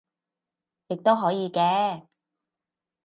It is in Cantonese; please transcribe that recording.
亦都可以嘅